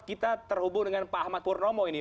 kita terhubung dengan pak ahmad purnomo ini